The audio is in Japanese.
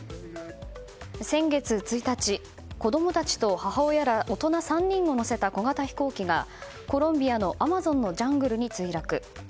先月１日、子供たちと母親ら大人３人を乗せた小型飛行機がコロンビアのアマゾンのジャングルに墜落。